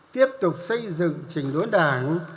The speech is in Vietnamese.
tiếp tục xây dựng trình đối đảng